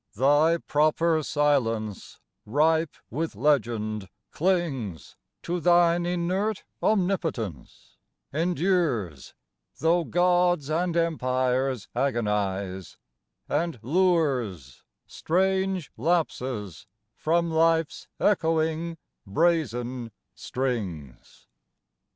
Thy proper silence, ripe with legend, clings To thine inert omnipotence, endures Though Gods and empires agonize, and lures Strange lapses from life's echoing, brazen strings.